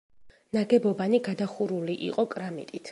ნაგებობანი გადახურული იყო კრამიტით.